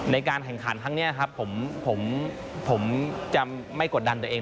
ในการแข่งขันครั้งนี้ครับผมจะไม่กดดันตัวเอง